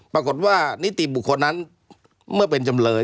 ปรากฏว่านิติบุคคลนั้นเมื่อเป็นจำเลย